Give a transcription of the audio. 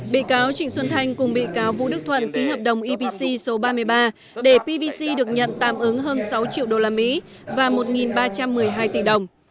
bị cáo trịnh xuân thanh cùng bị cáo vũ đức thuận ký hợp đồng epc số ba mươi ba để pvc được nhận tạm ứng hơn sáu triệu usd và một ba trăm một mươi hai tỷ đồng